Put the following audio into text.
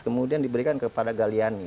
kemudian diberikan kepada galiani